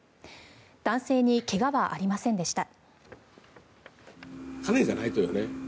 男性に怪我はありませんでした。